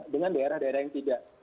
dengan daerah daerah yang tidak